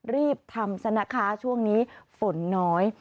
รีบทำซะนะคะช่วงนี้ฝนน้อย